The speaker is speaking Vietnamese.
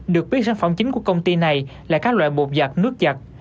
được biết sản phẩm chính của công ty này là các loại bột giật nước giật